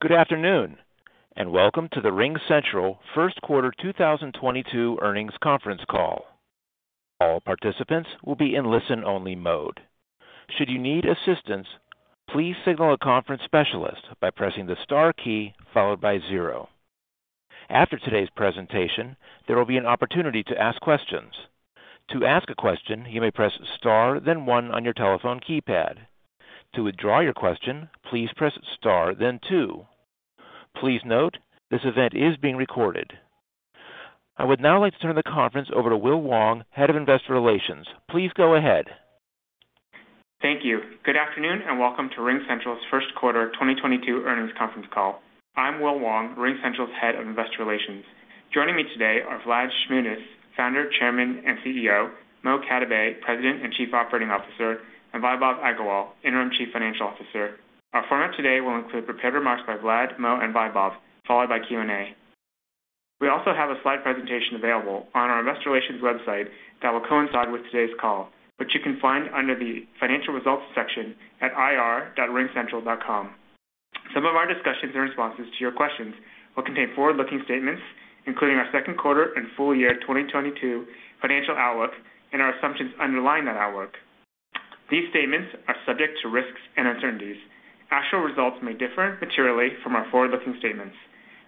Good afternoon, and welcome to the RingCentral First Quarter 2022 Earnings Conference Call. All participants will be in listen-only mode. Should you need assistance, please signal a conference specialist by pressing the star key followed by zero. After today's presentation, there will be an opportunity to ask questions. To ask a question, you may press star then one on your telephone keypad. To withdraw your question, please press star then two. Please note, this event is being recorded. I would now like to turn the conference over to Will Wong, Head of Investor Relations. Please go ahead. Thank you. Good afternoon, and welcome to RingCentral's First Quarter 2022 Earnings Conference Call. I'm Will Wong, RingCentral's Head of Investor Relations. Joining me today are Vlad Shmunis, Founder, Chairman, and CEO, Mo Katibeh, President and Chief Operating Officer, and Vaibhav Agarwal, Interim Chief Financial Officer. Our format today will include prepared remarks by Vlad, Mo, and Vaibhav, followed by Q&A. We also have a slide presentation available on our investor relations website that will coincide with today's call, which you can find under the Financial Results section at ir.ringcentral.com. Some of our discussions and responses to your questions will contain forward-looking statements, including our second quarter and full year 2022 financial outlook and our assumptions underlying that outlook. These statements are subject to risks and uncertainties. Actual results may differ materially from our forward-looking statements.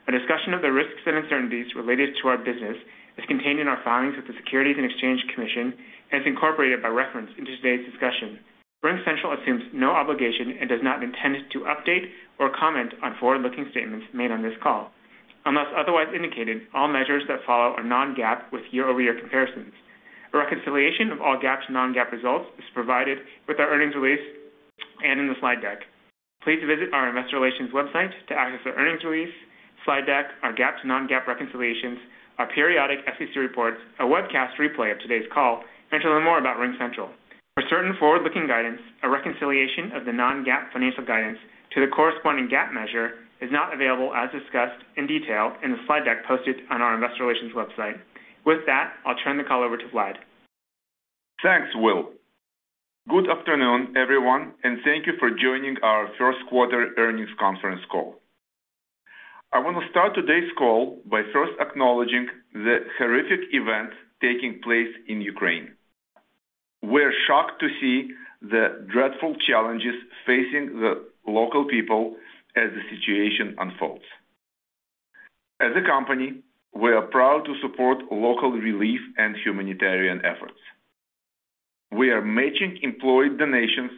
A discussion of the risks and uncertainties related to our business is contained in our filings with the Securities and Exchange Commission and is incorporated by reference into today's discussion. RingCentral assumes no obligation and does not intend to update or comment on forward-looking statements made on this call. Unless otherwise indicated, all measures that follow are non-GAAP with year-over-year comparisons. A reconciliation of all GAAP to non-GAAP results is provided with our earnings release and in the slide deck. Please visit our investor relations website to access our earnings release, slide deck, our GAAP to non-GAAP reconciliations, our periodic SEC reports, a webcast replay of today's call, and to learn more about RingCentral. For certain forward-looking guidance, a reconciliation of the non-GAAP financial guidance to the corresponding GAAP measure is not available as discussed in detail in the slide deck posted on our investor relations website. With that, I'll turn the call over to Vlad. Thanks, Will. Good afternoon, everyone, and thank you for joining our first quarter earnings conference call. I want to start today's call by first acknowledging the horrific events taking place in Ukraine. We're shocked to see the dreadful challenges facing the local people as the situation unfolds. As a company, we are proud to support local relief and humanitarian efforts. We are matching employee donations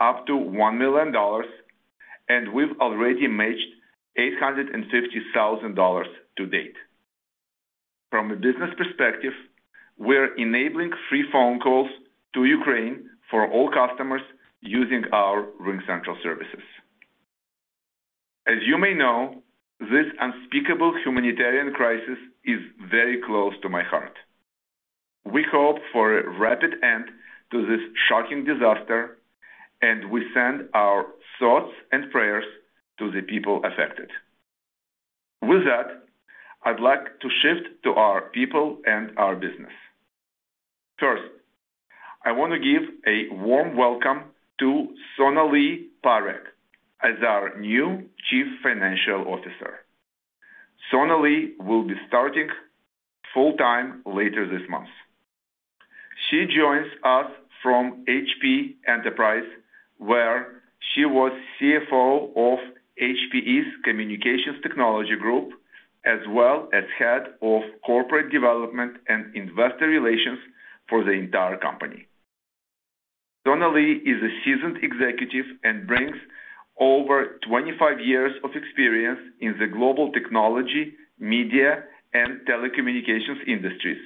up to $1 million, and we've already matched $850,000 to date. From a business perspective, we're enabling free phone calls to Ukraine for all customers using our RingCentral services. As you may know, this unspeakable humanitarian crisis is very close to my heart. We hope for a rapid end to this shocking disaster, and we send our thoughts and prayers to the people affected. With that, I'd like to shift to our people and our business. First, I want to give a warm welcome to Sonalee Parekh as our new Chief Financial Officer. Sonalee will be starting full time later this month. She joins us from HPE, where she was CFO of HPE's Communications Technology Group, as well as head of Corporate Development and Investor Relations for the entire company. Sonalee is a seasoned executive and brings over 25 years of experience in the global technology, media, and telecommunications industries,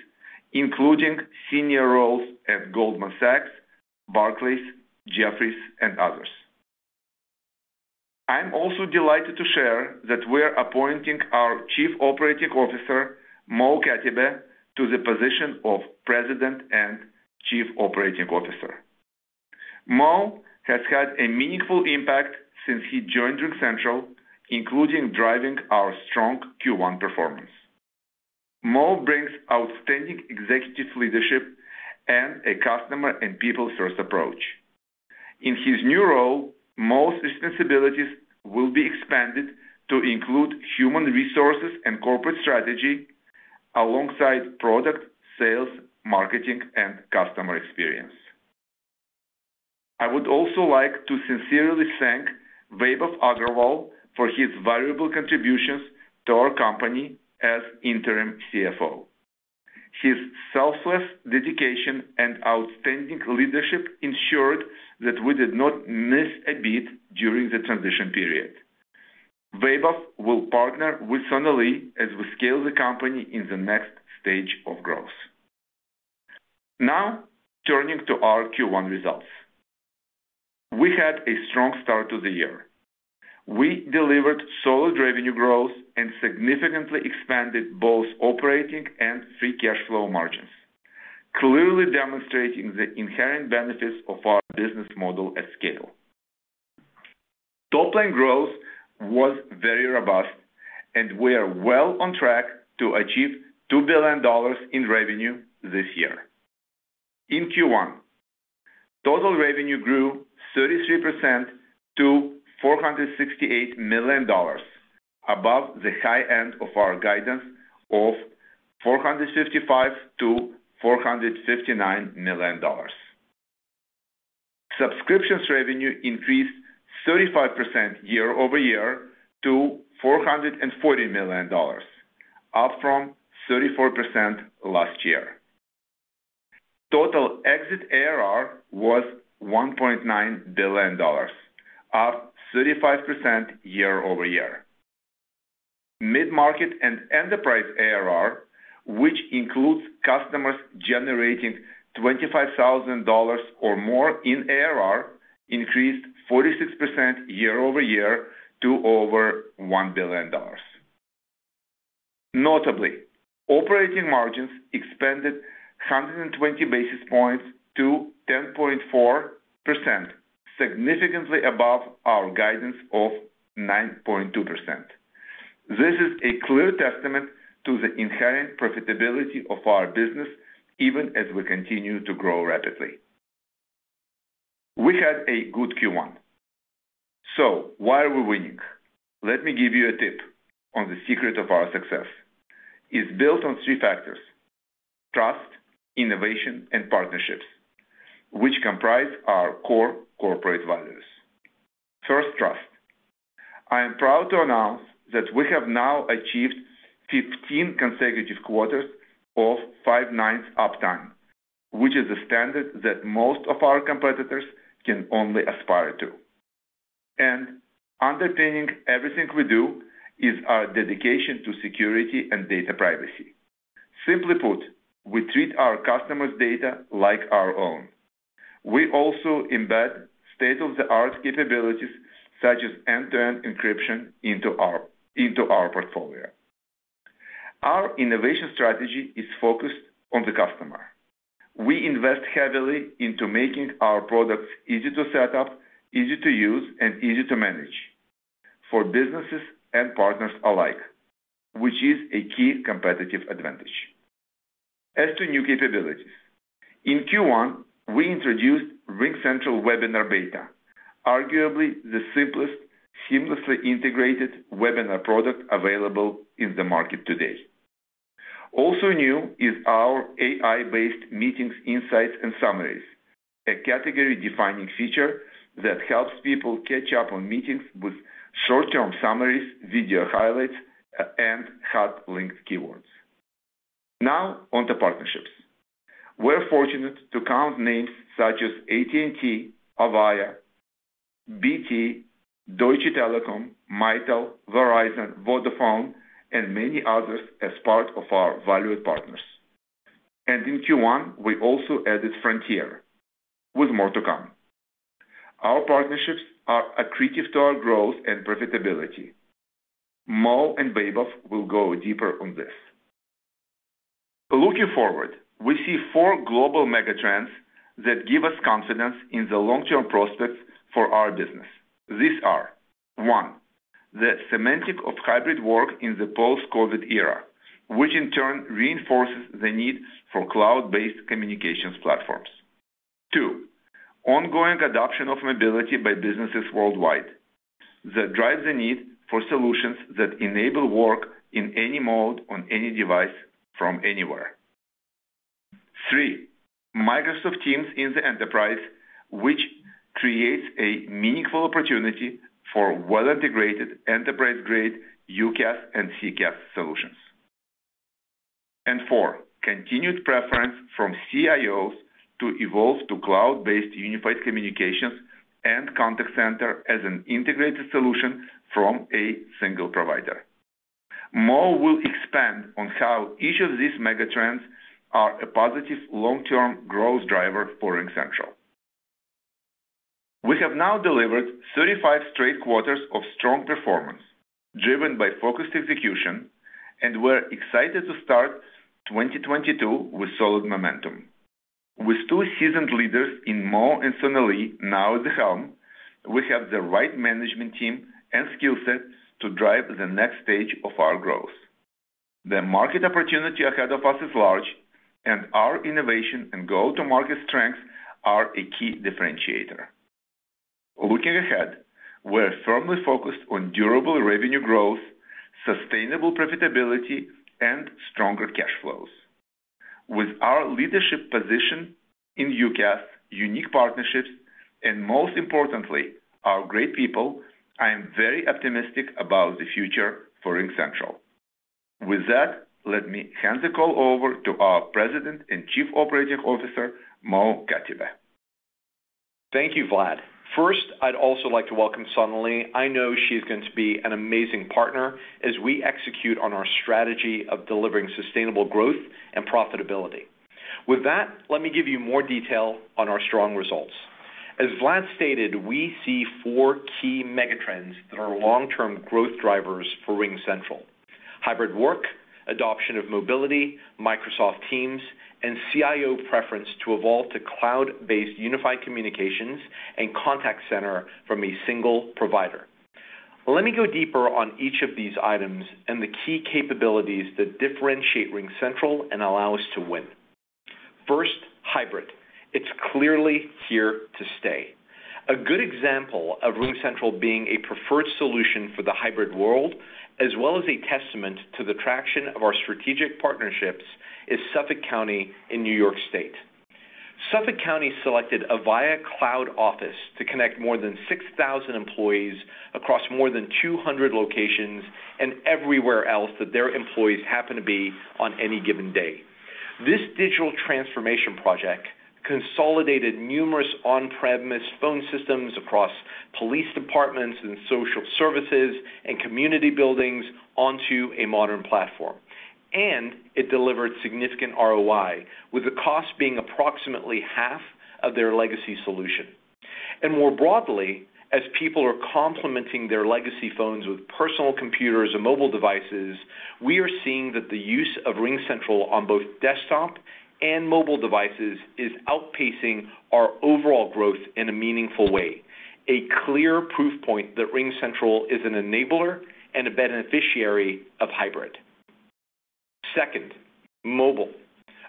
including senior roles at Goldman Sachs, Barclays, Jefferies, and others. I'm also delighted to share that we're appointing our Chief Operating Officer, Mo Katibeh, to the position of President and Chief Operating Officer. Mo has had a meaningful impact since he joined RingCentral, including driving our strong Q1 performance. Mo brings outstanding executive leadership and a customer and people-first approach. In his new role, Mo's responsibilities will be expanded to include human resources and corporate strategy alongside product, sales, marketing, and customer experience. I would also like to sincerely thank Vaibhav Agarwal for his valuable contributions to our company as interim CFO. His selfless dedication and outstanding leadership ensured that we did not miss a beat during the transition period. Vaibhav will partner with Sonalee as we scale the company in the next stage of growth. Now, turning to our Q1 results. We had a strong start to the year. We delivered solid revenue growth and significantly expanded both operating and free cash flow margins, clearly demonstrating the inherent benefits of our business model at scale. Top-line growth was very robust, and we are well on track to achieve $2 billion in revenue this year. In Q1, total revenue grew 33% to $468 million, above the high end of our guidance of $455 million-$459 million. Subscription revenue increased 35% year-over-year to $440 million, up from 34% last year. Total exit ARR was $1.9 billion, up 35% year-over-year. Mid-market and enterprise ARR, which includes customers generating $25,000 or more in ARR, increased 46% year-over-year to over $1 billion. Notably, operating margins expanded 120 basis points to 10.4%, significantly above our guidance of 9.2%. This is a clear testament to the inherent profitability of our business, even as we continue to grow rapidly. We had a good Q1. Why are we winning? Let me give you a tip on the secret of our success is built on three factors: trust, innovation, and partnerships, which comprise our core corporate values. First, trust. I am proud to announce that we have now achieved 15 consecutive quarters of five nines uptime, which is the standard that most of our competitors can only aspire to. Underpinning everything we do is our dedication to security and data privacy. Simply put, we treat our customers' data like our own. We also embed state-of-the-art capabilities, such as end-to-end encryption into our portfolio. Our innovation strategy is focused on the customer. We invest heavily into making our products easy to set up, easy to use, and easy to manage for businesses and partners alike, which is a key competitive advantage. As to new capabilities, in Q1, we introduced RingCentral Webinar Beta, arguably the simplest, seamlessly integrated webinar product available in the market today. Also new is our AI-based meetings, insights, and summaries, a category-defining feature that helps people catch up on meetings with short-term summaries, video highlights, and hot-linked keywords. Now on to partnerships. We're fortunate to count names such as AT&T, Avaya, BT, Deutsche Telekom, Mitel, Verizon, Vodafone, and many others as part of our valued partners. In Q1, we also added Frontier with more to come. Our partnerships are accretive to our growth and profitability. Mo and Vaibhav will go deeper on this. Looking forward, we see four global mega-trends that give us confidence in the long-term prospects for our business. These are, one, the semantics of hybrid work in the post-COVID era, which in turn reinforces the need for cloud-based communications platforms. Two, ongoing adoption of mobility by businesses worldwide that drive the need for solutions that enable work in any mode, on any device from anywhere. Three, Microsoft Teams in the enterprise, which creates a meaningful opportunity for well-integrated enterprise-grade UCaaS and CCaaS solutions. Four, continued preference from CIOs to evolve to cloud-based unified communications and contact center as an integrated solution from a single provider. Mo will expand on how each of these mega-trends are a positive long-term growth driver for RingCentral. We have now delivered 35 straight quarters of strong performance driven by focused execution, and we're excited to start 2022 with solid momentum. With two seasoned leaders in Mo and Sonalee now at the helm, we have the right management team and skill sets to drive the next stage of our growth. The market opportunity ahead of us is large, and our innovation and go-to-market strength are a key differentiator. Looking ahead, we're firmly focused on durable revenue growth, sustainable profitability, and stronger cash flows. With our leadership position in UCaaS, unique partnerships, and most importantly, our great people, I am very optimistic about the future for RingCentral. With that, let me hand the call over to our President and Chief Operating Officer, Mo Katibeh. Thank you, Vlad. First, I'd also like to welcome Sonalee. I know she's going to be an amazing partner as we execute on our strategy of delivering sustainable growth and profitability. With that, let me give you more detail on our strong results. As Vlad stated, we see four key mega-trends that are long-term growth drivers for RingCentral: hybrid work, adoption of mobility, Microsoft Teams, and CIO preference to evolve to cloud-based unified communications and contact center from a single provider. Let me go deeper on each of these items and the key capabilities that differentiate RingCentral and allow us to win. First, hybrid. It's clearly here to stay. A good example of RingCentral being a preferred solution for the hybrid world, as well as a testament to the traction of our strategic partnerships, is Suffolk County in New York State. Suffolk County selected Avaya Cloud Office to connect more than 6,000 employees across more than 200 locations and everywhere else that their employees happen to be on any given day. This digital transformation project consolidated numerous on-premises phone systems across police departments and social services and community buildings onto a modern platform. It delivered significant ROI, with the cost being approximately half of their legacy solution. More broadly, as people are complementing their legacy phones with personal computers and mobile devices, we are seeing that the use of RingCentral on both desktop and mobile devices is outpacing our overall growth in a meaningful way. A clear proof point that RingCentral is an enabler and a beneficiary of hybrid. Second, mobile.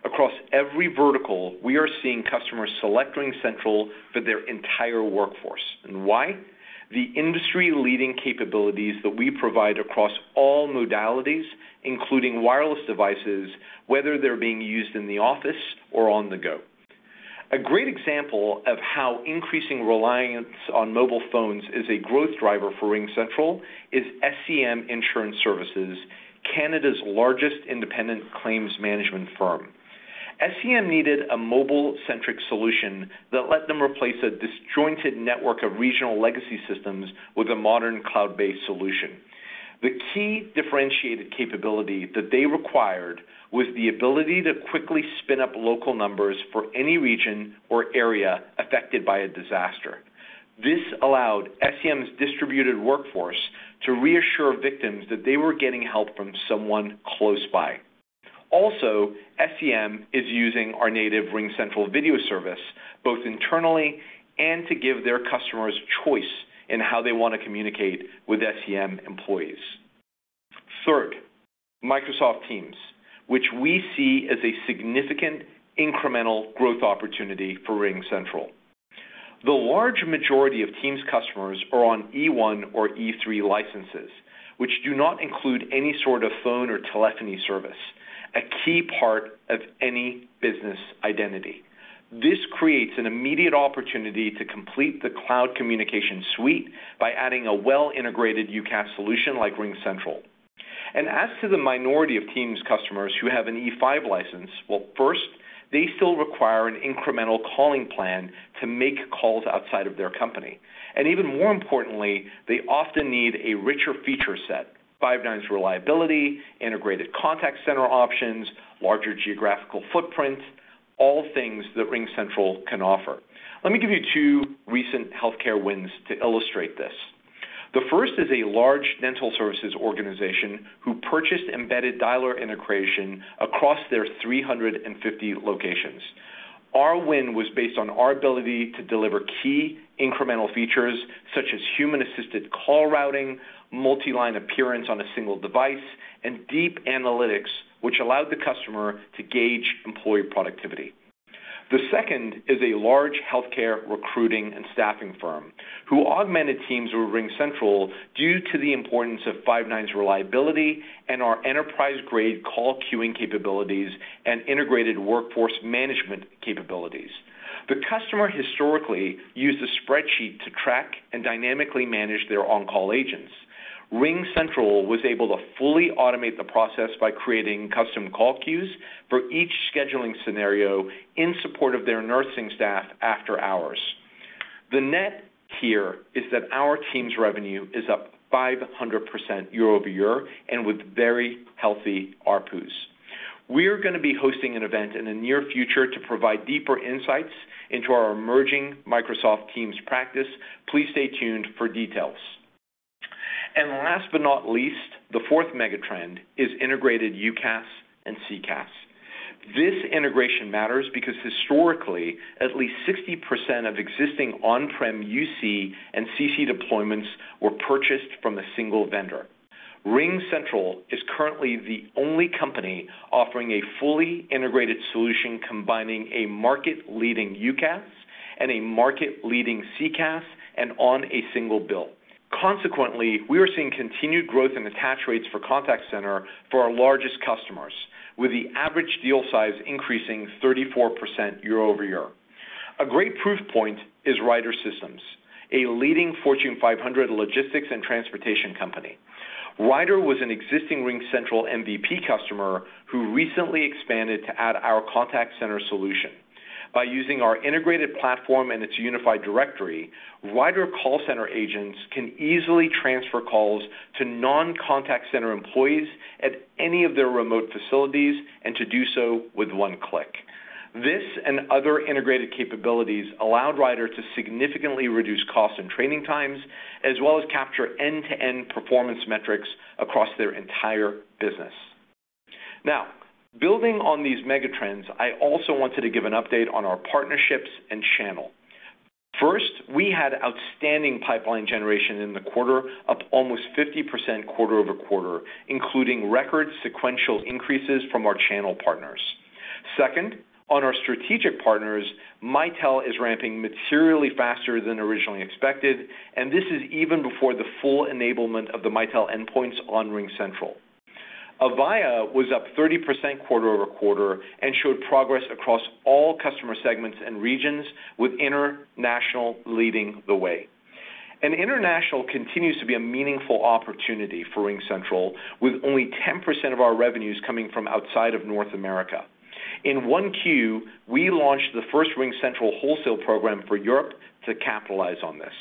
Across every vertical, we are seeing customers select RingCentral for their entire workforce. Why? The industry-leading capabilities that we provide across all modalities, including wireless devices, whether they're being used in the office or on the go. A great example of how increasing reliance on mobile phones is a growth driver for RingCentral is SCM Insurance Services, Canada's largest independent claims management firm. SCM needed a mobile-centric solution that let them replace a disjointed network of regional legacy systems with a modern cloud-based solution. The key differentiated capability that they required was the ability to quickly spin up local numbers for any region or area affected by a disaster. This allowed SCM's distributed workforce to reassure victims that they were getting help from someone close by. Also, SCM is using our native RingCentral Video service, both internally and to give their customers choice in how they want to communicate with SCM employees. Third, Microsoft Teams, which we see as a significant incremental growth opportunity for RingCentral. The large majority of Teams customers are on E1 or E3 licenses, which do not include any sort of phone or telephony service, a key part of any business identity. This creates an immediate opportunity to complete the cloud communication suite by adding a well-integrated UCaaS solution like RingCentral. As to the minority of Teams customers who have an E5 license, well, first, they still require an incremental calling plan to make calls outside of their company. Even more importantly, they often need a richer feature set, five nines reliability, integrated contact center options, larger geographical footprint, all things that RingCentral can offer. Let me give you two recent healthcare wins to illustrate this. The first is a large dental services organization who purchased embedded dialer integration across their 350 locations. Our win was based on our ability to deliver key incremental features such as human-assisted call routing, multi-line appearance on a single device, and deep analytics, which allowed the customer to gauge employee productivity. The second is a large healthcare recruiting and staffing firm who augmented Teams with RingCentral due to the importance of five-nines reliability and our enterprise-grade call queuing capabilities and integrated workforce management capabilities. The customer historically used a spreadsheet to track and dynamically manage their on-call agents. RingCentral was able to fully automate the process by creating custom call queues for each scheduling scenario in support of their nursing staff after hours. The net here is that our team's revenue is up 500% year-over-year and with very healthy ARPU. We are gonna be hosting an event in the near future to provide deeper insights into our emerging Microsoft Teams practice. Please stay tuned for details. Last but not least, the fourth megatrend is integrated UCaaS and CCaaS. This integration matters because historically, at least 60% of existing on-prem UC and CC deployments were purchased from a single vendor. RingCentral is currently the only company offering a fully integrated solution combining a market-leading UCaaS and a market-leading CCaaS and on a single bill. Consequently, we are seeing continued growth in attach rates for contact center for our largest customers, with the average deal size increasing 34% year-over-year. A great proof point is Ryder System, a leading Fortune 500 logistics and transportation company. Ryder was an existing RingCentral MVP customer who recently expanded to add our contact center solution. By using our integrated platform and its unified directory, Ryder call center agents can easily transfer calls to non-contact center employees at any of their remote facilities and to do so with one click. This and other integrated capabilities allowed Ryder to significantly reduce costs and training times, as well as capture end-to-end performance metrics across their entire business. Now, building on these megatrends, I also wanted to give an update on our partnerships and channel. First, we had outstanding pipeline generation in the quarter, up almost 50% quarter-over-quarter, including record sequential increases from our channel partners. Second, on our strategic partners, Mitel is ramping materially faster than originally expected, and this is even before the full enablement of the Mitel endpoints on RingCentral. Avaya was up 30% quarter-over-quarter and showed progress across all customer segments and regions, with international leading the way. International continues to be a meaningful opportunity for RingCentral, with only 10% of our revenues coming from outside of North America. In 1Q, we launched the first RingCentral wholesale program for Europe to capitalize on this.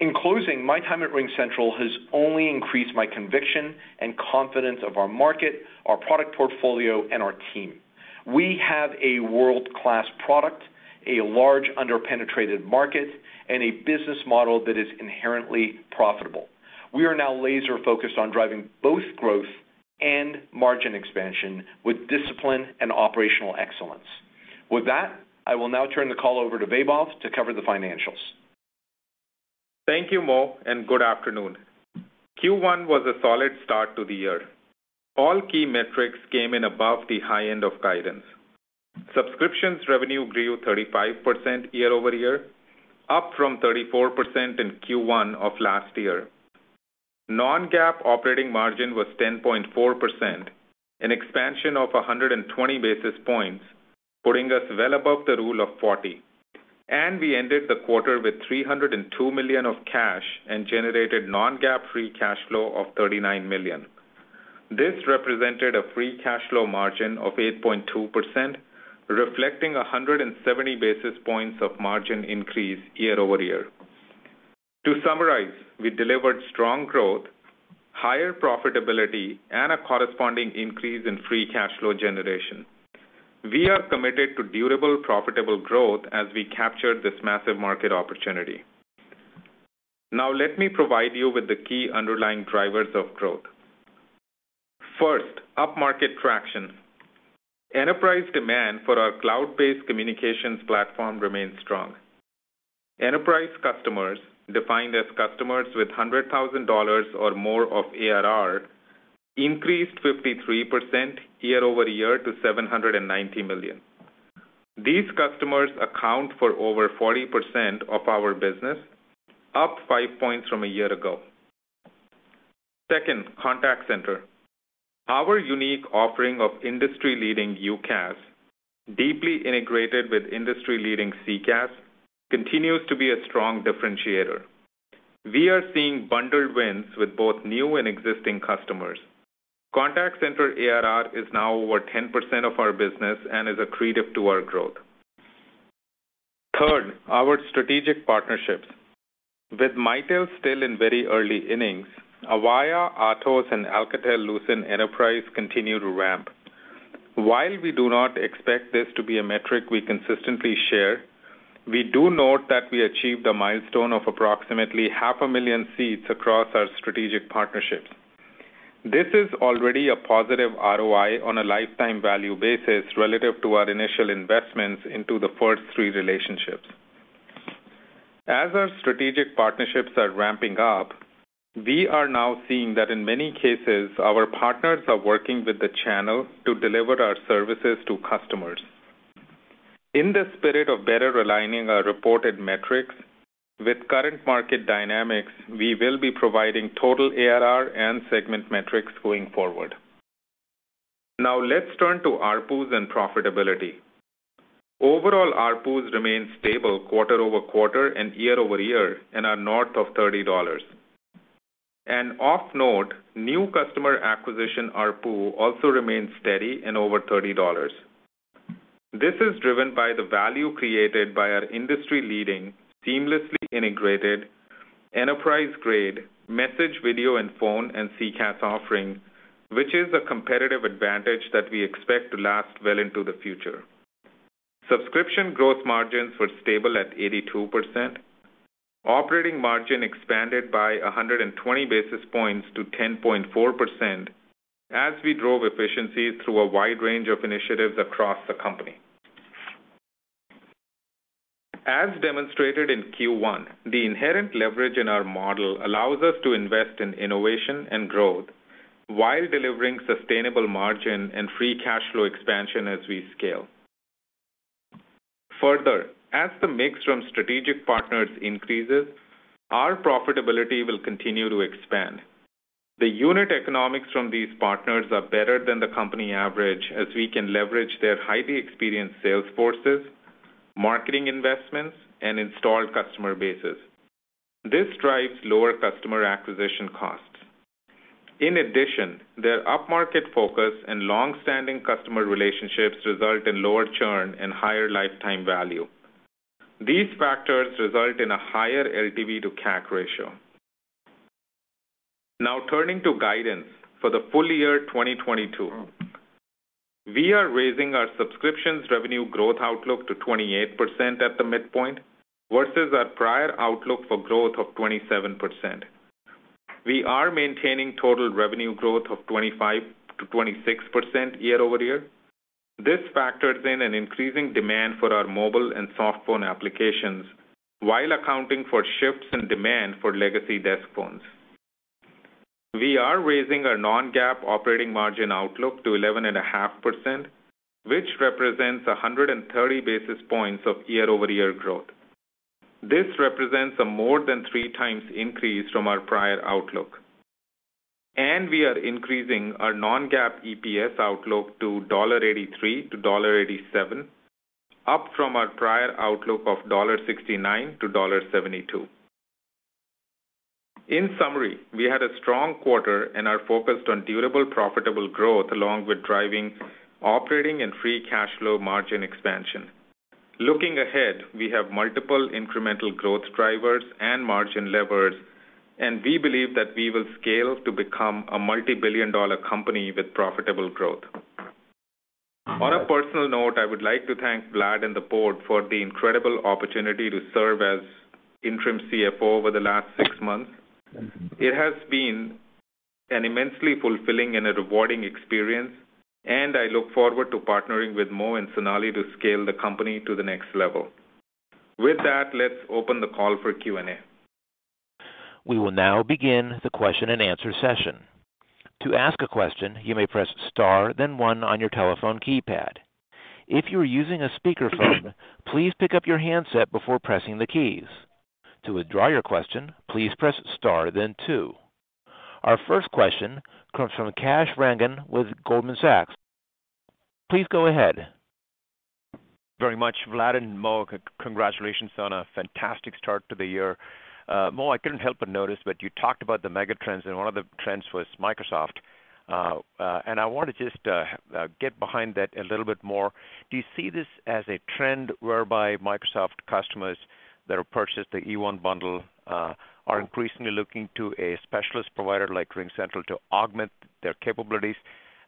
In closing, my time at RingCentral has only increased my conviction and confidence of our market, our product portfolio, and our team. We have a world-class product, a large under-penetrated market, and a business model that is inherently profitable. We are now laser-focused on driving both growth and margin expansion with discipline and operational excellence. With that, I will now turn the call over to Vaibhav to cover the financials. Thank you, Mo, and good afternoon. Q1 was a solid start to the year. All key metrics came in above the high end of guidance. Subscriptions revenue grew 35% year over year, up from 34% in Q1 of last year. Non-GAAP operating margin was 10.4%, an expansion of 120 basis points, putting us well above the Rule of 40. We ended the quarter with $302 million of cash and generated non-GAAP free cash flow of $39 million. This represented a free cash flow margin of 8.2%, reflecting 170 basis points of margin increase year over year. To summarize, we delivered strong growth, higher profitability, and a corresponding increase in free cash flow generation. We are committed to durable, profitable growth as we capture this massive market opportunity. Now, let me provide you with the key underlying drivers of growth. First, up-market traction. Enterprise demand for our cloud-based communications platform remains strong. Enterprise customers, defined as customers with $100,000 or more of ARR, increased 53% year-over-year to $790 million. These customers account for over 40% of our business, up five points from a year ago. Second, contact center. Our unique offering of industry-leading UCaaS, deeply integrated with industry-leading CCaaS, continues to be a strong differentiator. We are seeing bundled wins with both new and existing customers. Contact center ARR is now over 10% of our business and is accretive to our growth. Third, our strategic partnerships. With Mitel still in very early innings, Avaya, Atos, and Alcatel-Lucent Enterprise continue to ramp. While we do not expect this to be a metric we consistently share, we do note that we achieved a milestone of approximately 500,000 seats across our strategic partnerships. This is already a positive ROI on a lifetime value basis relative to our initial investments into the first three relationships. As our strategic partnerships are ramping up, we are now seeing that in many cases our partners are working with the channel to deliver our services to customers. In the spirit of better aligning our reported metrics with current market dynamics, we will be providing total ARR and segment metrics going forward. Now let's turn to ARPUs and profitability. Overall, ARPUs remain stable quarter-over-quarter and year-over-year and are north of $30. Off note, new customer acquisition ARPU also remains steady and over $30. This is driven by the value created by our industry-leading, seamlessly integrated, enterprise-grade message video and phone and CCaaS offering, which is a competitive advantage that we expect to last well into the future. Subscription growth margins were stable at 82%. Operating margin expanded by 120 basis points to 10.4% as we drove efficiencies through a wide range of initiatives across the company. As demonstrated in Q1, the inherent leverage in our model allows us to invest in innovation and growth while delivering sustainable margin and free cash flow expansion as we scale. Further, as the mix from strategic partners increases, our profitability will continue to expand. The unit economics from these partners are better than the company average as we can leverage their highly experienced sales forces, marketing investments, and installed customer bases. This drives lower customer acquisition costs. In addition, their up-market focus and long-standing customer relationships result in lower churn and higher lifetime value. These factors result in a higher LTV to CAC ratio. Now turning to guidance for the full year 2022. We are raising our subscriptions revenue growth outlook to 28% at the midpoint versus our prior outlook for growth of 27%. We are maintaining total revenue growth of 25%-26% year-over-year. This factors in an increasing demand for our mobile and soft phone applications while accounting for shifts in demand for legacy desk phones. We are raising our non-GAAP operating margin outlook to 11.5%, which represents 130 basis points of year-over-year growth. This represents a more than 3x increase from our prior outlook. We are increasing our non-GAAP EPS outlook to $1.83-$1.87, up from our prior outlook of $1.69-$1.72. In summary, we had a strong quarter and are focused on durable, profitable growth along with driving operating and free cash flow margin expansion. Looking ahead, we have multiple incremental growth drivers and margin levers, and we believe that we will scale to become a multi-billion dollar company with profitable growth. On a personal note, I would like to thank Vlad and the board for the incredible opportunity to serve as interim CFO over the last six months. It has been an immensely fulfilling and rewarding experience, and I look forward to partnering with Mo and Sonalee to scale the company to the next level. With that, let's open the call for Q&A. We will now begin the question and answer session. To ask a question, you may press star, then one on your telephone keypad. If you are using a speakerphone, please pick up your handset before pressing the keys. To withdraw your question, please press star then two. Our first question comes from Kash Rangan with Goldman Sachs. Please go ahead. Very much. Vlad and Mo, congratulations on a fantastic start to the year. Mo, I couldn't help but notice, but you talked about the megatrends, and one of the trends was Microsoft. I want to just get behind that a little bit more. Do you see this as a trend whereby Microsoft customers that have purchased the E1 bundle are increasingly looking to a specialist provider like RingCentral to augment their capabilities?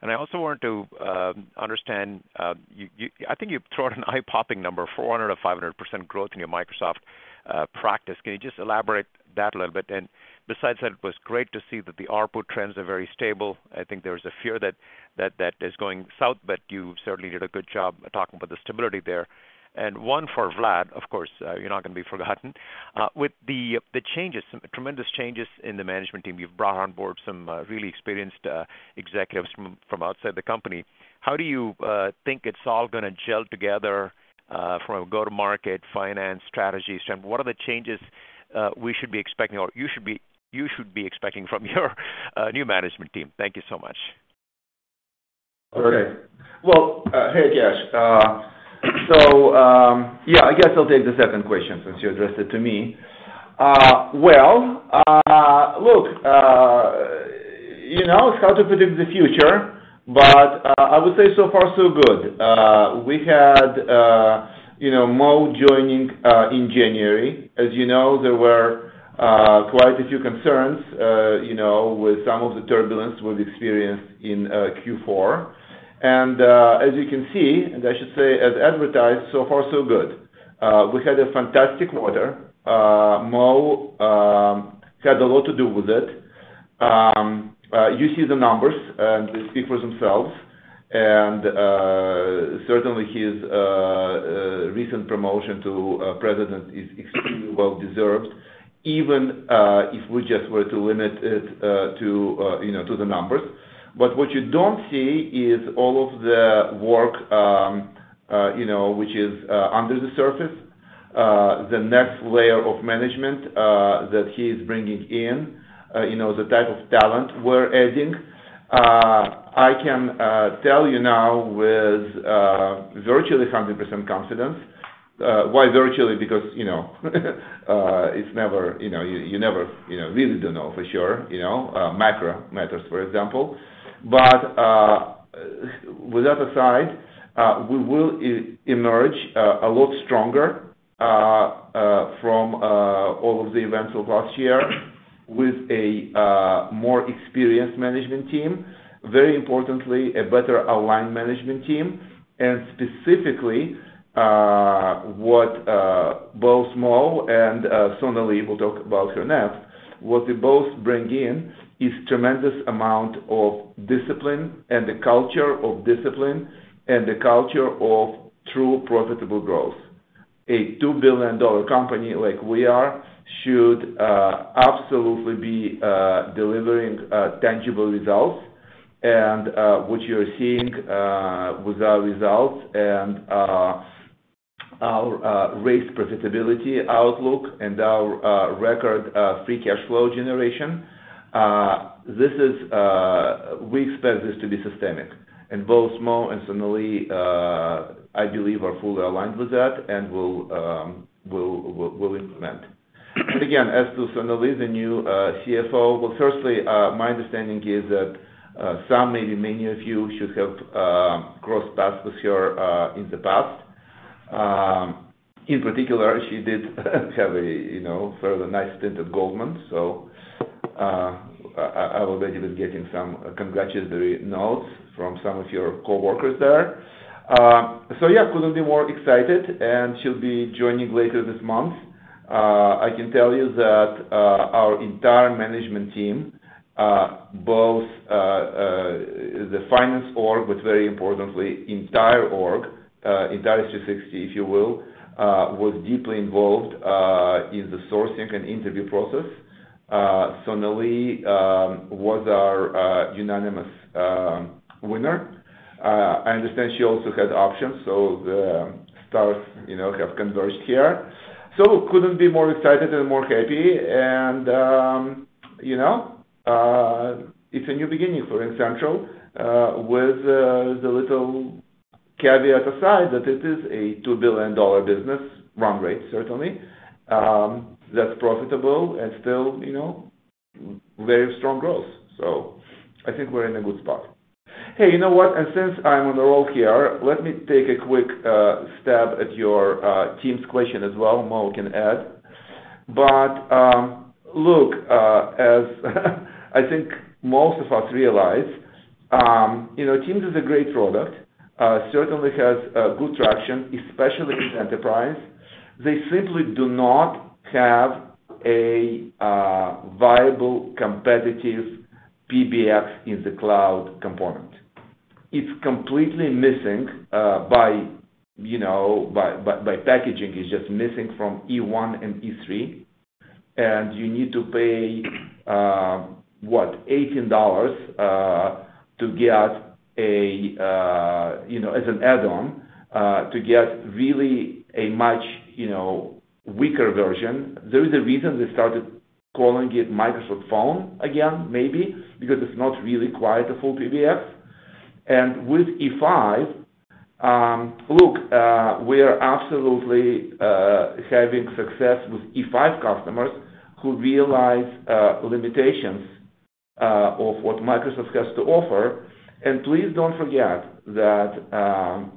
I also want to understand, you, I think you throw out an eye-popping number, 400%-500% growth in your Microsoft practice. Can you just elaborate that a little bit? Besides that, it was great to see that the ARPU trends are very stable. I think there was a fear that is going south, but you certainly did a good job talking about the stability there. One for Vlad, of course, you're not going to be forgotten. With the changes, tremendous changes in the management team, you've brought on board some really experienced executives from outside the company. How do you think it's all going to gel together from a go-to-market finance strategy standpoint? What are the changes we should be expecting or you should be expecting from your new management team? Thank you so much. Okay. Well, hey, Kash. So, yeah, I guess I'll take the second question since you addressed it to me. Well, look, you know, it's hard to predict the future, but I would say so far so good. We had, you know, Mo joining in January. As you know, there were quite a few concerns, you know, with some of the turbulence we've experienced in Q4. As you can see, and I should say as advertised, so far so good. We had a fantastic quarter. Mo had a lot to do with it. You see the numbers, and they speak for themselves. Certainly his recent promotion to president is extremely well deserved, even if we just were to limit it, you know, to the numbers. What you don't see is all of the work, you know, which is under the surface, the next layer of management that he is bringing in, you know, the type of talent we're adding. I can tell you now with virtually 100% confidence. Why virtually? Because, you know, it's never, you know, you never, you know, really don't know for sure, you know, macro matters, for example. With that aside, we will emerge a lot stronger from all of the events of last year with a more experienced management team, very importantly, a better aligned management team. Specifically, what both Mo and Sonalee will talk about here next. What they both bring in is tremendous amount of discipline, and the culture of discipline, and the culture of true profitable growth. A $2 billion company like we are should absolutely be delivering tangible results and what you're seeing with our results and our raised profitability outlook and our record free cash flow generation. We expect this to be systemic. Both Mo and Sonalee I believe are fully aligned with that and will implement. Again, as to Sonalee, the new CFO, firstly, my understanding is that some, maybe many of you should have crossed paths with her in the past. In particular, she did have a sort of a nice stint at Goldman. I've already been getting some congratulatory notes from some of your coworkers there. Couldn't be more excited, and she'll be joining later this month. I can tell you that our entire management team, both the finance org, but very importantly, entire org, entire C-suite, if you will, was deeply involved in the sourcing and interview process. Sonalee was our unanimous winner. I understand she also had options, so the stars, you know, have converged here. Couldn't be more excited and more happy. You know, it's a new beginning for RingCentral, with the little caveat aside that it is a $2 billion business run rate, certainly, that's profitable and still, you know, very strong growth. I think we're in a good spot. Hey, you know what? Since I'm on a roll here, let me take a quick stab at your team's question as well. Mo can add. Look, as I think most of us realize, you know, Teams is a great product, certainly has good traction, especially with enterprise. They simply do not have a viable, competitive PBX in the cloud component. It's completely missing by packaging. It's just missing from E1 and E3. You need to pay what, $18 to get, you know, as an add-on to get really a much weaker version. There is a reason they started calling it Teams Phone again, maybe because it's not really quite a full PBX. With E5, look, we are absolutely having success with E5 customers who realize limitations of what Microsoft has to offer. Please don't forget that,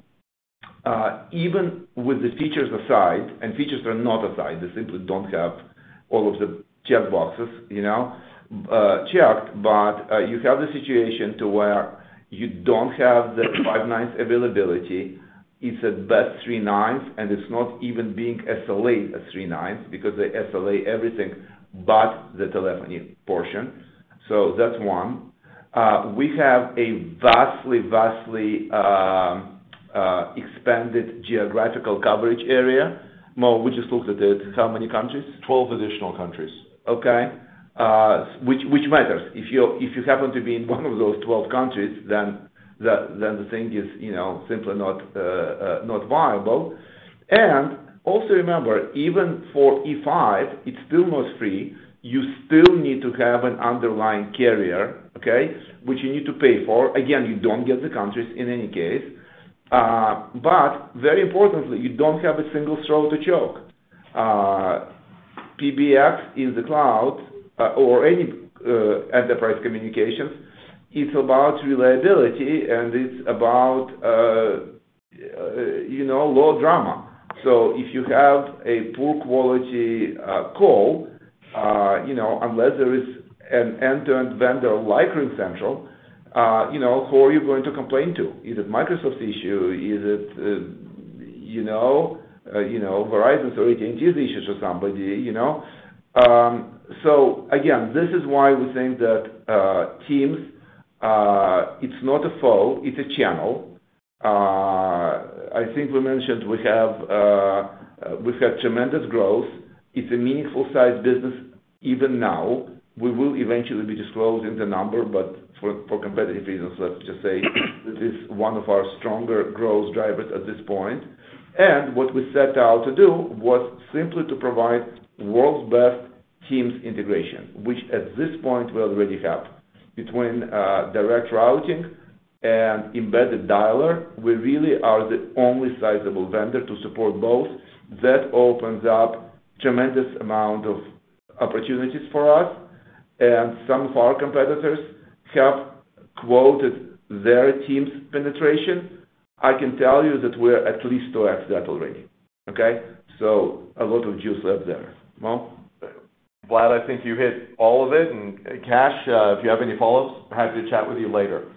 even with the features aside, and features are not aside, they simply don't have all of the check boxes, you know, checked. You have the situation where you don't have the five nines availability. It's at best three nines, and it's not even being SLA at three nines because they SLA everything but the telephony portion. That's one. We have a vastly expanded geographical coverage area. Mo, we just looked at it. How many countries? 12 additional countries. Okay, which matters. If you happen to be in one of those 12 countries, then the thing is, you know, simply not viable. Also remember, even for E5, it's still not free. You still need to have an underlying carrier, okay, which you need to pay for. Again, you don't get the countries in any case. Very importantly, you don't have a single throat to choke. PBX in the cloud or any enterprise communications, it's about reliability, and it's about, you know, low drama. If you have a poor quality call, you know, unless there is an end-to-end vendor like RingCentral, you know, who are you going to complain to? Is it Microsoft's issue? Is it, you know, Verizon's or AT&T issues or somebody, you know? Again, this is why we think that Teams, it's not a foe, it's a channel. I think we mentioned we have, we've had tremendous growth. It's a meaningful size business even now. We will eventually be disclosing the number, but for competitive reasons, let's just say this is one of our stronger growth drivers at this point. What we set out to do was simply to provide world's best Teams integration, which at this point we already have. Between direct routing and embedded dialer, we really are the only sizable vendor to support both. That opens up tremendous amount of opportunities for us. Some of our competitors have quoted their Teams' penetration. I can tell you that we're at least 2x that already. Okay? A lot of juice left there. Mo? Vlad, I think you hit all of it. Kash, if you have any follow-ups, happy to chat with you later.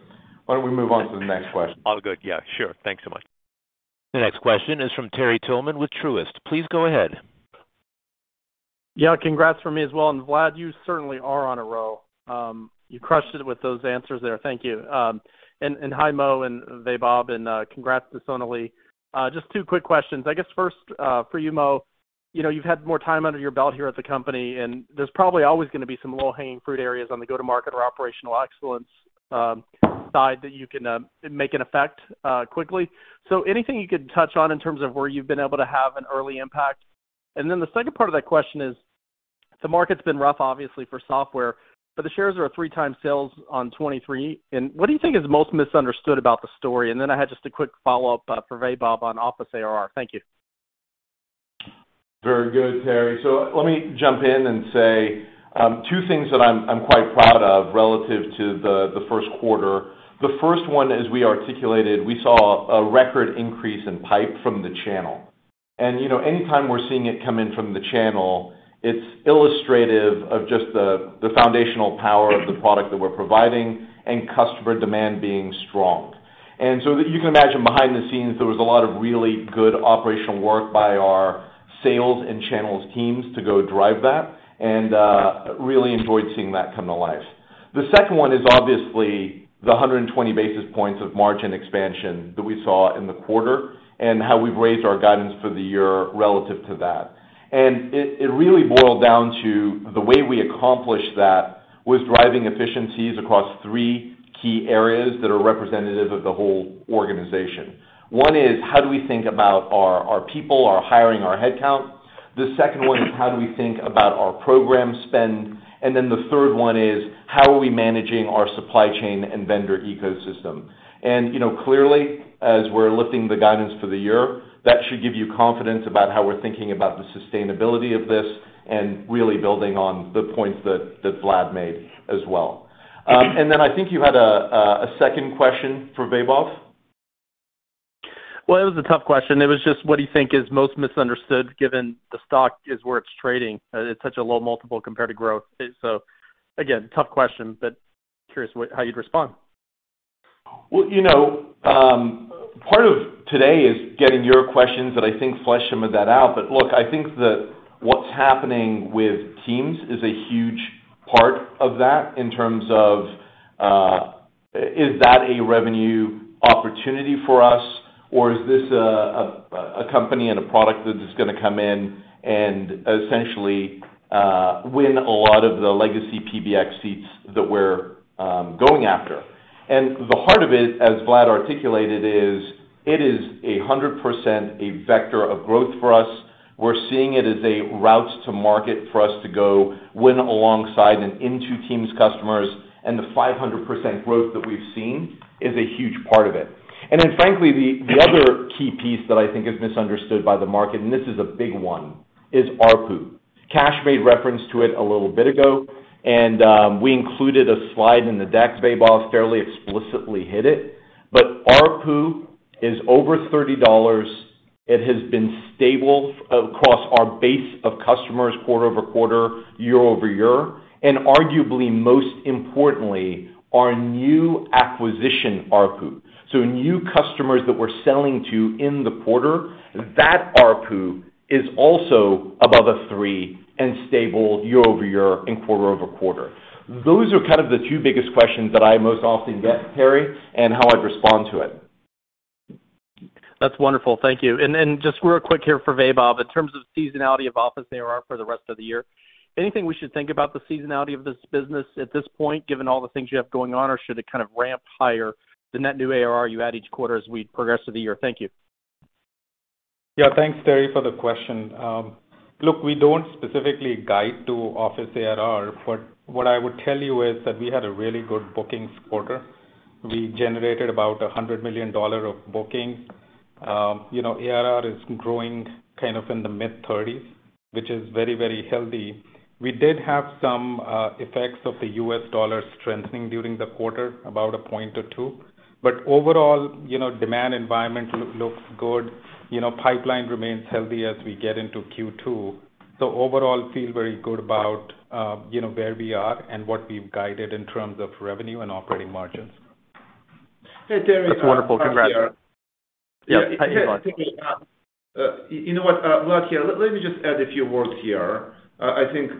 Why don't we move on to the next question? All good. Yeah, sure. Thanks so much. The next question is from Terry Tillman with Truist. Please go ahead. Yeah, congrats from me as well. Vlad, you certainly are on a roll. You crushed it with those answers there. Thank you. Hi Mo and Vaibhav, and congrats to Sonalee. Just two quick questions. I guess first, for you, Mo. You know, you've had more time under your belt here at the company, and there's probably always gonna be some low-hanging fruit areas on the go-to-market or operational excellence, side that you can make an impact quickly. So anything you could touch on in terms of where you've been able to have an early impact. The second part of that question is, the market's been rough, obviously, for software, but the shares are at 3x sales on 2023. What do you think is most misunderstood about the story? I had just a quick follow-up for Vaibhav on Office ARR. Thank you. Very good, Terry. Let me jump in and say two things that I'm quite proud of relative to the first quarter. The first one is we articulated, we saw a record increase in pipe from the channel. You know, anytime we're seeing it come in from the channel, it's illustrative of just the foundational power of the product that we're providing and customer demand being strong. You can imagine behind the scenes, there was a lot of really good operational work by our sales and channels teams to go drive that, and really enjoyed seeing that come to life. The second one is obviously the 120 basis points of margin expansion that we saw in the quarter and how we've raised our guidance for the year relative to that. It really boiled down to the way we accomplished that was driving efficiencies across three key areas that are representative of the whole organization. One is how do we think about our people, our hiring, our headcount? The second one is, how do we think about our program spend? Then the third one is, how are we managing our supply chain and vendor ecosystem? You know, clearly, as we're lifting the guidance for the year, that should give you confidence about how we're thinking about the sustainability of this and really building on the points that Vlad made as well. Then I think you had a second question for Vaibhav. Well, it was a tough question. It was just, what do you think is most misunderstood given the stock is where it's trading, it's such a low multiple compared to growth? Again, tough question, but curious what, how you'd respond. Well, you know, part of today is getting your questions that I think flesh some of that out. Look, I think that what's happening with Teams is a huge part of that in terms of is that a revenue opportunity for us, or is this a company and a product that is gonna come in and essentially win a lot of the legacy PBX seats that we're going after. The heart of it, as Vlad articulated, is it is 100% a vector of growth for us. We're seeing it as a route to market for us to go win alongside and into Teams customers, and the 500% growth that we've seen is a huge part of it. Frankly, the other key piece that I think is misunderstood by the market, and this is a big one, is ARPU. Kash made reference to it a little bit ago, and we included a slide in the deck. Vaibhav fairly explicitly hit it. ARPU is over $30. It has been stable across our base of customers quarter-over-quarter, year-over-year, and arguably most importantly, our new acquisition ARPU. New customers that we're selling to in the quarter, that ARPU is also above $30 and stable year-over-year and quarter-over-quarter. Those are kind of the two biggest questions that I most often get, Terry, and how I'd respond to it. That's wonderful. Thank you. Just real quick here for Vaibhav, in terms of seasonality of office ARR for the rest of the year, anything we should think about the seasonality of this business at this point, given all the things you have going on, or should it kind of ramp higher than that new ARR you add each quarter as we progress through the year? Thank you. Yeah. Thanks, Terry, for the question. Look, we don't specifically guide to office ARR. What I would tell you is that we had a really good bookings quarter. We generated about $100 million of bookings. You know, ARR is growing kind of in the mid-30s%, which is very, very healthy. We did have some effects of the US dollar strengthening during the quarter, about a point or two. Overall, you know, demand environment looks good. You know, pipeline remains healthy as we get into Q2. Overall, feel very good about, you know, where we are and what we've guided in terms of revenue and operating margins. That's wonderful. Congrats. Yeah. Yeah. You know what, Vlad here, let me just add a few words here. I think,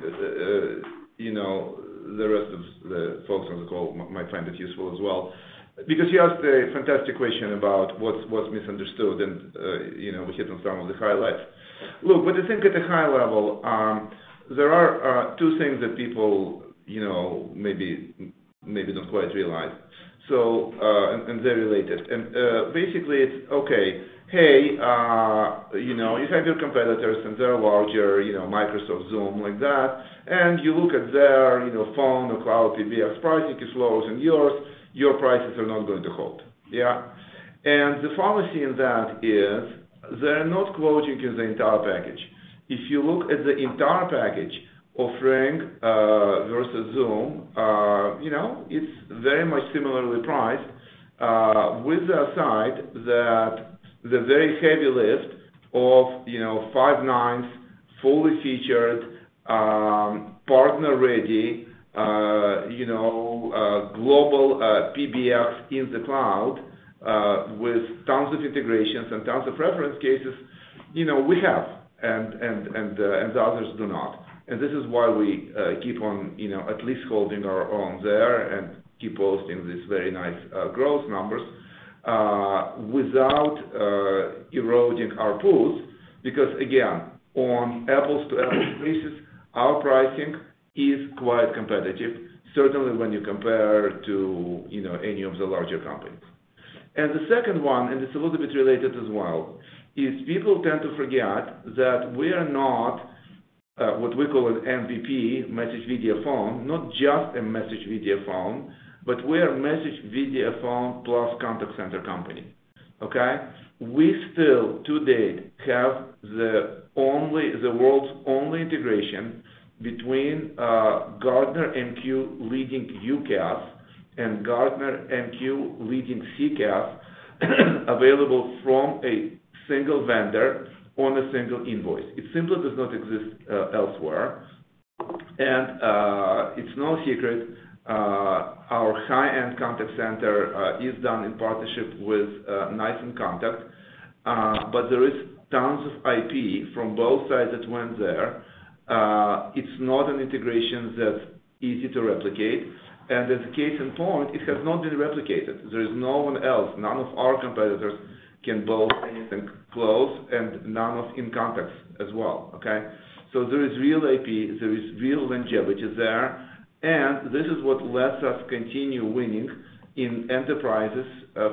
you know, the rest of the folks on the call might find it useful as well, because you asked a fantastic question about what's misunderstood and, you know, we hit on some of the highlights. Look, when you think at a high level, there are two things that people, you know, maybe don't quite realize. They're related. Basically it's okay, hey, you know, you have your competitors and they're larger, you know, Microsoft, Zoom, like that. You look at their, you know, phone or cloud PBX pricing is lower than yours. Your prices are not going to hold. Yeah. The fallacy in that is they're not quoting you the entire package. If you look at the entire package offering, versus Zoom, you know, it's very much similarly priced, with the aside that the very heavy lift of, you know, five nines, fully featured, partner ready, you know, global, PBX in the cloud, with tons of integrations and tons of reference cases, you know, we have and the others do not. This is why we keep on, you know, at least holding our own there and keep posting these very nice growth numbers without eroding our pools. Because again, on apples to apples basis, our pricing is quite competitive, certainly when you compare to, you know, any of the larger companies. The second one, and it's a little bit related as well, is people tend to forget that we are not what we call an MVP message video phone, not just a message video phone, but we are a message video phone plus contact center company. Okay. We still to date have the world's only integration between Gartner MQ leading UCaaS and Gartner MQ leading CCaaS available from a single vendor on a single invoice. It simply does not exist elsewhere. It's no secret our high-end contact center is done in partnership with NICE inContact. But there is tons of IP from both sides that went there. It's not an integration that's easy to replicate. As a case in point, it has not been replicated. There is no one else. None of our competitors can build anything close, and none of them in context as well. Okay. There is real IP, there is real longevity there, and this is what lets us continue winning in enterprises,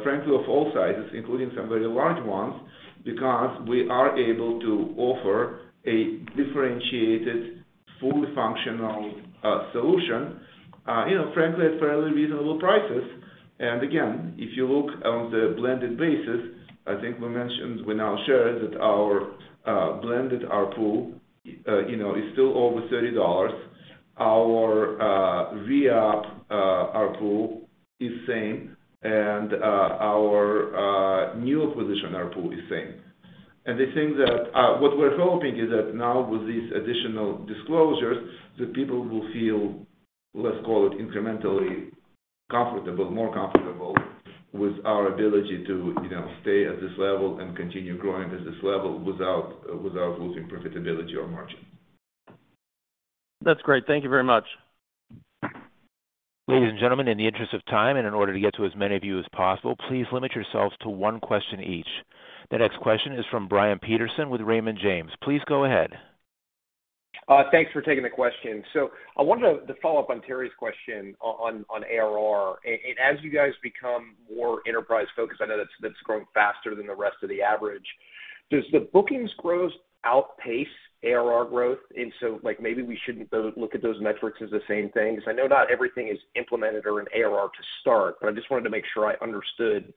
frankly, of all sizes, including some very large ones, because we are able to offer a differentiated fully functional solution, you know, frankly at fairly reasonable prices. Again, if you look on the blended basis, I think we mentioned, we now share that our blended ARPU, you know, is still over $30. Our new app ARPU is same. Our new acquisition ARPU is same. What we're hoping is that now with these additional disclosures, the people will feel, let's call it incrementally comfortable, more comfortable with our ability to, you know, stay at this level and continue growing at this level without losing profitability or margin. That's great. Thank you very much. Ladies and gentlemen, in the interest of time and in order to get to as many of you as possible, please limit yourselves to one question each. The next question is from Brian Peterson with Raymond James. Please go ahead. Thanks for taking the question. I wanted to follow up on Terry's question on ARR. As you guys become more enterprise-focused, I know that's growing faster than the rest of the average. Does the bookings growth outpace ARR growth? Like, maybe we shouldn't look at those metrics as the same thing, because I know not everything is implemented or in ARR to start, but I just wanted to make sure I understood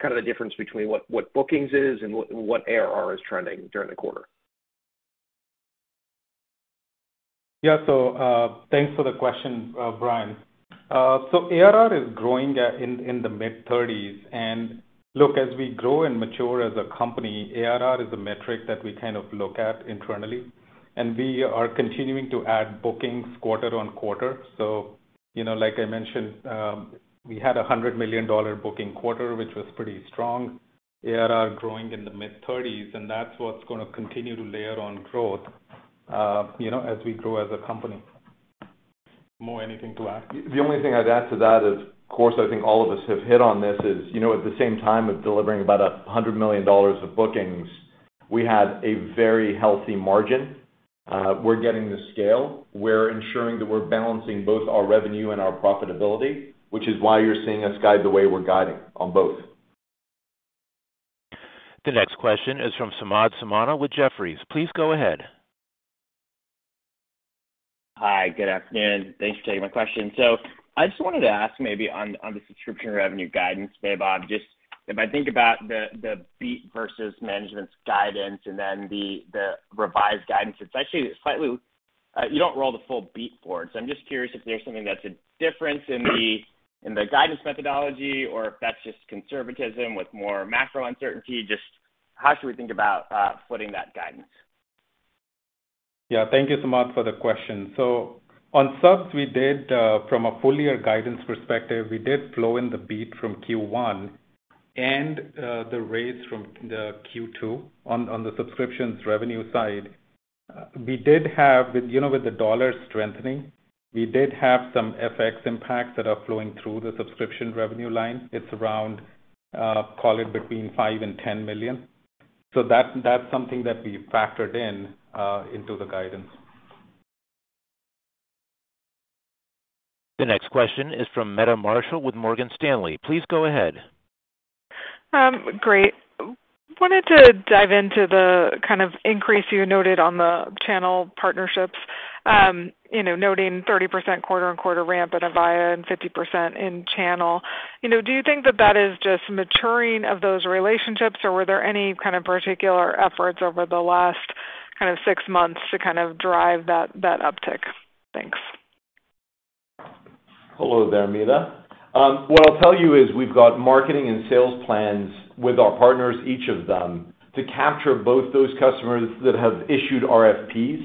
kind of the difference between what bookings is and what ARR is trending during the quarter. Yeah. Thanks for the question, Brian. ARR is growing at mid-30s%. Look, as we grow and mature as a company, ARR is a metric that we kind of look at internally, and we are continuing to add bookings quarter on quarter. You know, like I mentioned, we had a $100 million booking quarter, which was pretty strong. ARR growing in the mid-30s%, and that's what's gonna continue to layer on growth, you know, as we grow as a company. Mo, anything to add? The only thing I'd add to that is, of course, I think all of us have hit on this is, you know, at the same time of delivering about $100 million of bookings, we have a very healthy margin. We're getting the scale. We're ensuring that we're balancing both our revenue and our profitability, which is why you're seeing us guide the way we're guiding on both. The next question is from Samad Samana with Jefferies. Please go ahead. Hi. Good afternoon. Thanks for taking my question. I just wanted to ask maybe on the subscription revenue guidance, Vaibhav. Just if I think about the beat versus management's guidance and then the revised guidance, it's actually slightly. You don't roll the full beat forward, so I'm just curious if there's something that's a difference in the guidance methodology or if that's just conservatism with more macro uncertainty. Just how should we think about footing that guidance? Yeah. Thank you, Samad, for the question. On subs, we did, from a full year guidance perspective, we did flow in the beat from Q1 and the raise from Q2 on the subscriptions revenue side. We did have, with you know, with the dollar strengthening, we did have some FX impacts that are flowing through the subscription revenue line. It's around, call it between $5 million and $10 million. That's something that we factored in into the guidance. The next question is from Meta Marshall with Morgan Stanley. Please go ahead. Great. Wanted to dive into the kind of increase you noted on the channel partnerships. You know, noting 30% quarter-over-quarter ramp at Avaya and 50% in channel. You know, do you think that is just maturing of those relationships or were there any kind of particular efforts over the last kind of six months to kind of drive that uptick? Thanks. Hello there, Meta. What I'll tell you is we've got marketing and sales plans with our partners, each of them, to capture both those customers that have issued RFPs,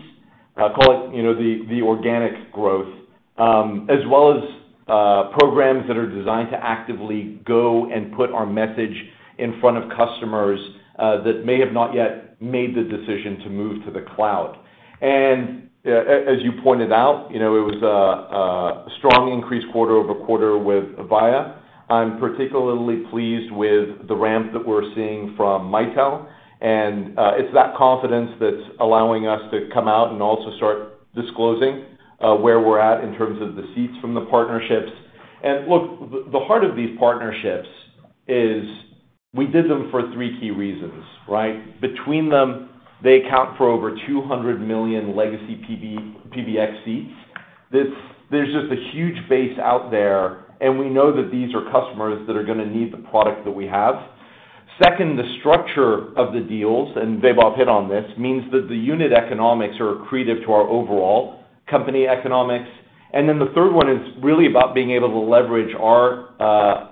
call it, you know, the organic growth, as well as programs that are designed to actively go and put our message in front of customers that may have not yet made the decision to move to the cloud. As you pointed out, you know, it was a strong increase quarter over quarter with Avaya. I'm particularly pleased with the ramp that we're seeing from Mitel, and it's that confidence that's allowing us to come out and also start disclosing where we're at in terms of the seats from the partnerships. Look, the heart of these partnerships is We did them for three key reasons, right? Between them, they account for over 200 million legacy PBX seats. This. There's just a huge base out there, and we know that these are customers that are gonna need the product that we have. Second, the structure of the deals, and Vaibhav hit on this, means that the unit economics are accretive to our overall company economics. Then the third one is really about being able to leverage our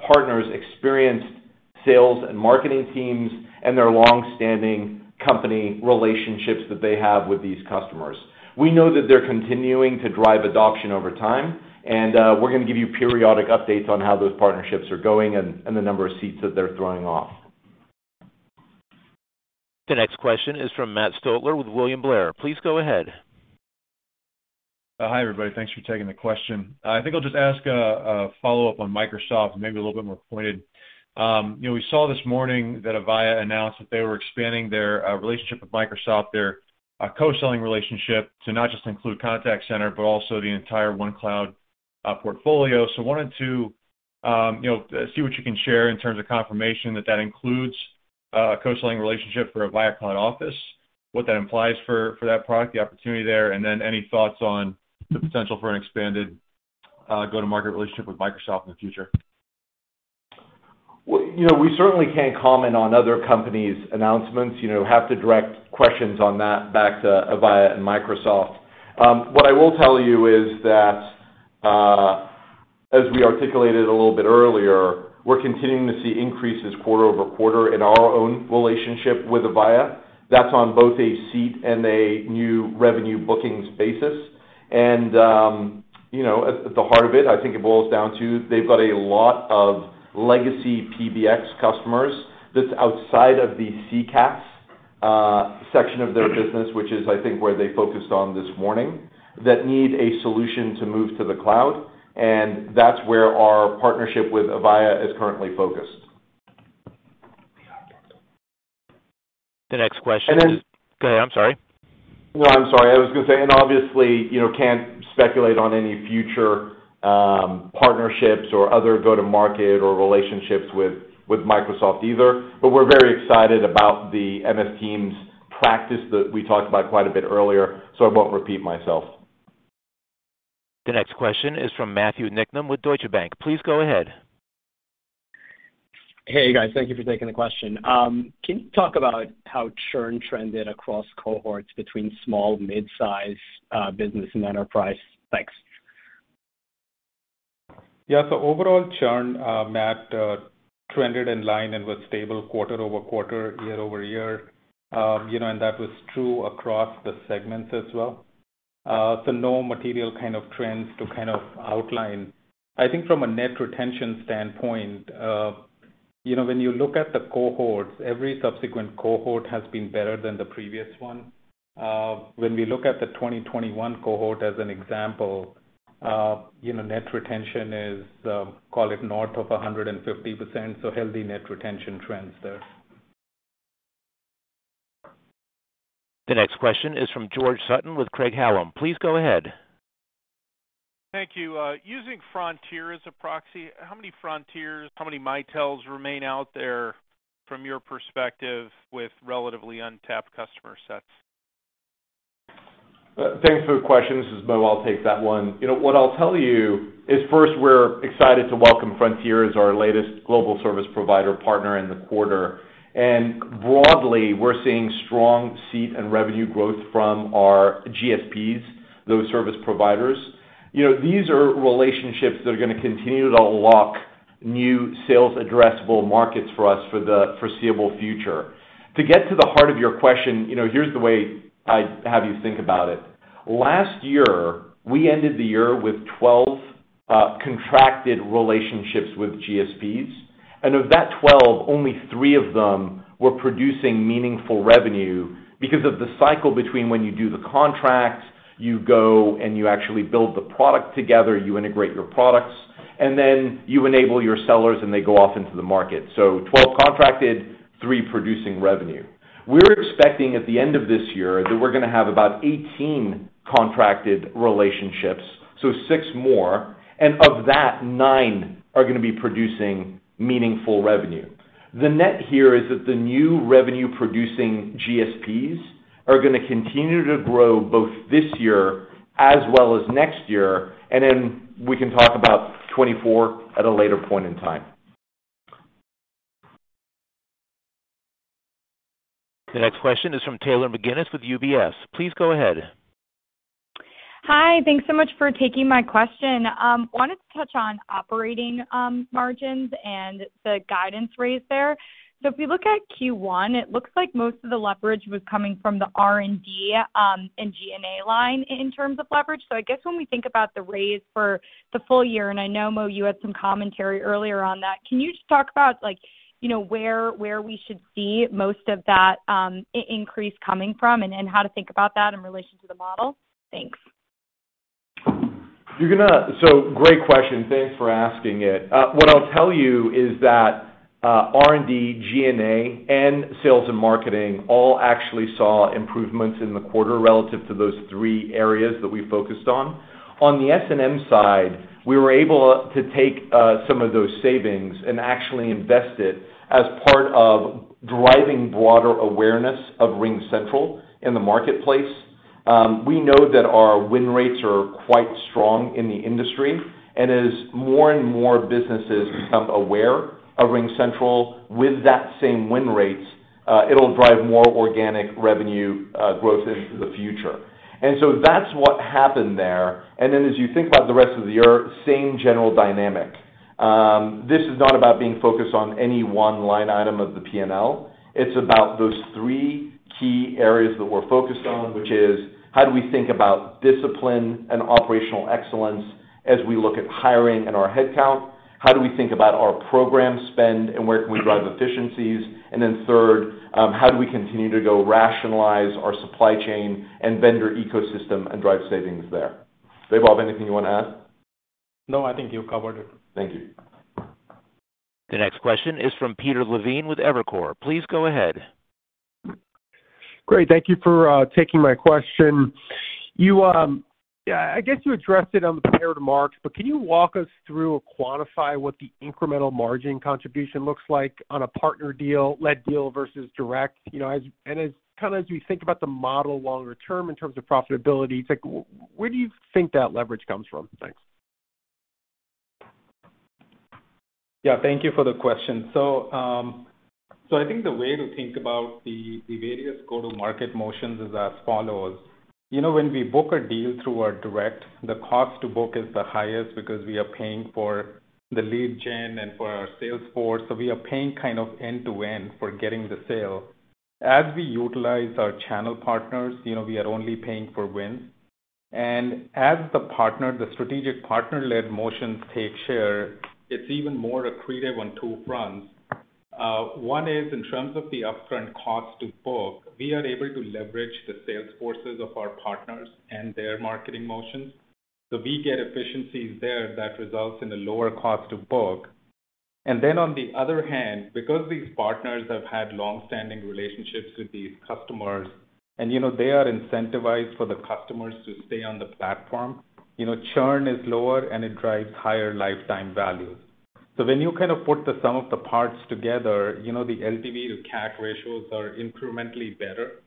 partners' experienced sales and marketing teams and their long-standing company relationships that they have with these customers. We know that they're continuing to drive adoption over time, and we're gonna give you periodic updates on how those partnerships are going and the number of seats that they're throwing off. The next question is from Matt Stotler with William Blair. Please go ahead. Hi, everybody. Thanks for taking the question. I think I'll just ask a follow-up on Microsoft, maybe a little bit more pointed. You know, we saw this morning that Avaya announced that they were expanding their relationship with Microsoft, their co-selling relationship to not just include contact center, but also the entire OneCloud portfolio. Wanted to, you know, see what you can share in terms of confirmation that that includes a co-selling relationship for Avaya Cloud Office, what that implies for that product, the opportunity there, and then any thoughts on the potential for an expanded go-to-market relationship with Microsoft in the future. Well, you know, we certainly can't comment on other companies' announcements. You know, have to direct questions on that back to Avaya and Microsoft. What I will tell you is that, as we articulated a little bit earlier, we're continuing to see increases quarter-over-quarter in our own relationship with Avaya. That's on both a seat and a new revenue bookings basis. You know, at the heart of it, I think it boils down to they've got a lot of legacy PBX customers that's outside of the CCaaS section of their business, which is, I think, where they focused on this morning, that need a solution to move to the cloud, and that's where our partnership with Avaya is currently focused. The next question. And then- Go ahead. I'm sorry. No, I'm sorry. I was gonna say, obviously, you know, can't speculate on any future partnerships or other go-to-market or relationships with Microsoft either. We're very excited about the MS Teams practice that we talked about quite a bit earlier, so I won't repeat myself. The next question is from Matthew Niknam with Deutsche Bank. Please go ahead. Hey, guys. Thank you for taking the question. Can you talk about how churn trended across cohorts between small, mid-size, business and enterprise? Thanks. Yeah. Overall churn, Matt, trended in line and was stable quarter-over-quarter, year-over-year. You know, that was true across the segments as well. No material kind of trends to kind of outline. I think from a net retention standpoint, you know, when you look at the cohorts, every subsequent cohort has been better than the previous one. When we look at the 2021 cohort as an example, you know, net retention is, call it north of 150%, so healthy net retention trends there. The next question is from George Sutton with Craig-Hallum. Please go ahead. Thank you. Using Frontier as a proxy, how many Frontiers, how many Mitels remain out there from your perspective with relatively untapped customer sets? Thanks for the question. This is Mo. I'll take that one. You know, what I'll tell you is first we're excited to welcome Frontier as our latest global service provider partner in the quarter. Broadly, we're seeing strong seat and revenue growth from our GSPs, those service providers. You know, these are relationships that are gonna continue to unlock new sales addressable markets for us for the foreseeable future. To get to the heart of your question, you know, here's the way I'd have you think about it. Last year, we ended the year with 12 contracted relationships with GSPs, and of that 12, only three of them were producing meaningful revenue because of the cycle between when you do the contract, you go, and you actually build the product together, you integrate your products, and then you enable your sellers, and they go off into the market. 12 contracted, three producing revenue. We're expecting at the end of this year that we're gonna have about 18 contracted relationships, so 6 more, and of that, nine are gonna be producing meaningful revenue. The net here is that the new revenue-producing GSPs are gonna continue to grow both this year as well as next year, and then we can talk about 24 at a later point in time. The next question is from Taylor McGinnis with UBS. Please go ahead. Hi. Thanks so much for taking my question. Wanted to touch on operating margins and the guidance raised there. If we look at Q1, it looks like most of the leverage was coming from the R&D and G&A line in terms of leverage. I guess when we think about the raise for the full year, and I know, Mo, you had some commentary earlier on that, can you just talk about like, you know, where we should see most of that increase coming from and how to think about that in relation to the model? Thanks. Great question. Thanks for asking it. What I'll tell you is that R&D, G&A, and sales and marketing all actually saw improvements in the quarter relative to those three areas that we focused on. On the S&M side, we were able to take some of those savings and actually invest it as part of driving broader awareness of RingCentral in the marketplace. We know that our win rates are quite strong in the industry, and as more and more businesses become aware of RingCentral with that same win rates, it'll drive more organic revenue growth into the future. That's what happened there. As you think about the rest of the year, same general dynamic. This is not about being focused on any one line item of the P&L, it's about those three key areas that we're focused on, which is, how do we think about discipline and operational excellence as we look at hiring and our head count? How do we think about our program spend and where can we drive efficiencies? And then third, how do we continue to go rationalize our supply chain and vendor ecosystem and drive savings there? Vaibhav, anything you wanna add? No, I think you covered it. Thank you. The next question is from Peter Levine with Evercore. Please go ahead. Great. Thank you for taking my question. You, yeah, I guess you addressed it on the prepared remarks, but can you walk us through or quantify what the incremental margin contribution looks like on a partner-led deal versus direct? You know, as you think about the model longer term in terms of profitability, it's like, where do you think that leverage comes from? Thanks. Yeah, thank you for the question. I think the way to think about the various go-to market motions is as follows. You know, when we book a deal through our direct, the cost to book is the highest because we are paying for the lead gen and for our sales force, so we are paying kind of end to end for getting the sale. As we utilize our channel partners, you know, we are only paying for wins. The partner, the strategic partner-led motions take share, it's even more accretive on two fronts. One is in terms of the upfront cost to book. We are able to leverage the sales forces of our partners and their marketing motions, so we get efficiencies there that results in a lower cost to book. Because these partners have had long-standing relationships with these customers, and, you know, they are incentivized for the customers to stay on the platform, you know, churn is lower and it drives higher lifetime values. When you kind of put the sum of the parts together, you know, the LTV to CAC ratios are incrementally better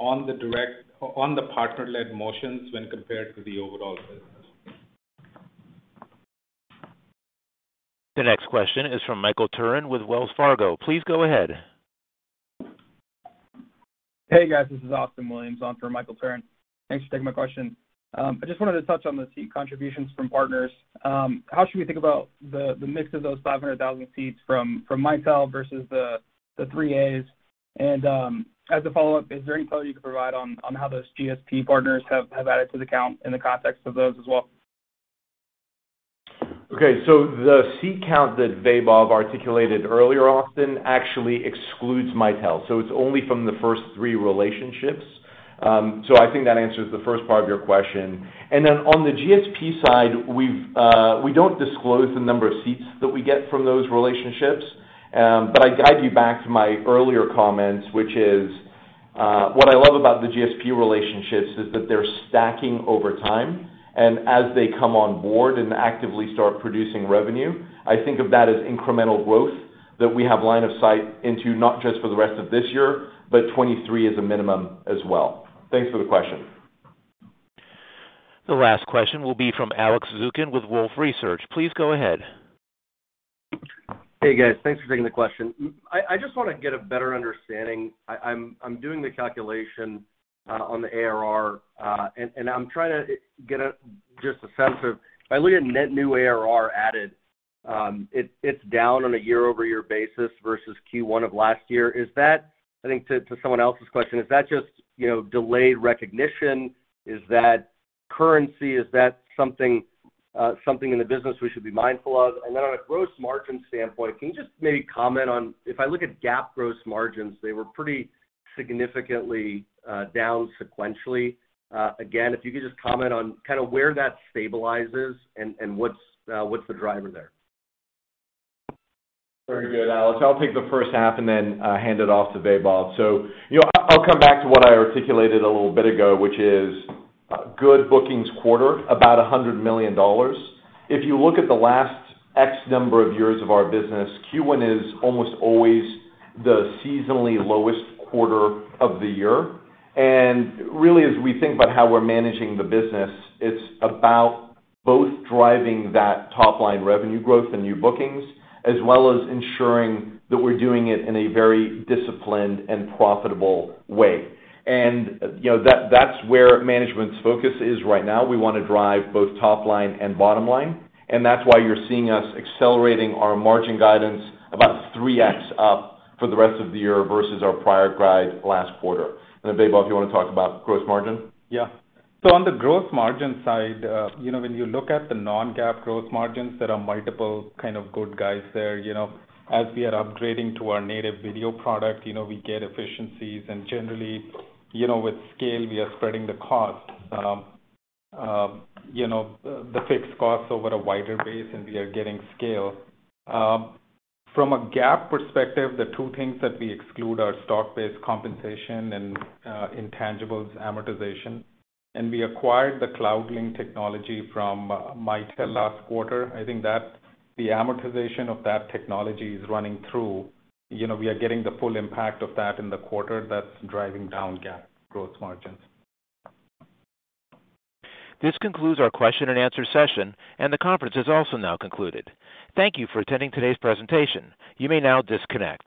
on the partner-led motions when compared to the overall business. The next question is from Michael Turrin with Wells Fargo. Please go ahead. Hey, guys. This is Austin Williams on for Michael Turrin. Thanks for taking my question. I just wanted to touch on the seat contributions from partners. How should we think about the mix of those 500,000 seats from Mitel versus the three As? As a follow-up, is there any color you can provide on how those GSP partners have added to the count in the context of those as well? Okay. The seat count that Vaibhav articulated earlier, Austin, actually excludes Mitel. It's only from the first three relationships. I think that answers the first part of your question. On the GSP side, we don't disclose the number of seats that we get from those relationships. But I guide you back to my earlier comments, which is, what I love about the GSP relationships is that they're stacking over time. And as they come on board and actively start producing revenue, I think of that as incremental growth that we have line of sight into not just for the rest of this year, but 2023 as a minimum as well. Thanks for the question. The last question will be from Alex Zukin with Wolfe Research. Please go ahead. Hey, guys. Thanks for taking the question. I just wanna get a better understanding. I'm doing the calculation on the ARR, and I'm trying to get a just a sense of if I look at net new ARR added, it's down on a year-over-year basis versus Q1 of last year. Is that, I think to someone else's question, is that just, you know, delayed recognition? Is that currency? Is that something in the business we should be mindful of? Then on a gross margin standpoint, can you just maybe comment on if I look at GAAP gross margins, they were pretty significantly down sequentially. Again, if you could just comment on kinda where that stabilizes and what's the driver there? Very good, Alex. I'll take the first half and then hand it off to Vaibhav. You know, I'll come back to what I articulated a little bit ago, which is a good bookings quarter, about $100 million. If you look at the last X number of years of our business, Q1 is almost always the seasonally lowest quarter of the year. Really, as we think about how we're managing the business, it's about both driving that top-line revenue growth and new bookings, as well as ensuring that we're doing it in a very disciplined and profitable way. You know, that's where management's focus is right now. We wanna drive both top line and bottom line, and that's why you're seeing us accelerating our margin guidance about 3x up for the rest of the year versus our prior guide last quarter. Vaibhav, do you wanna talk about gross margin? Yeah. On the gross margin side, you know, when you look at the non-GAAP gross margins, there are multiple kind of good guys there, you know. As we are upgrading to our native video product, you know, we get efficiencies and generally, you know, with scale we are spreading the cost. You know, the fixed costs over a wider base and we are getting scale. From a GAAP perspective, the two things that we exclude are stock-based compensation and intangibles amortization. We acquired the CloudLink technology from Mitel last quarter. I think that the amortization of that technology is running through. You know, we are getting the full impact of that in the quarter. That's driving down GAAP gross margins. This concludes our question and answer session, and the conference is also now concluded. Thank you for attending today's presentation. You may now disconnect.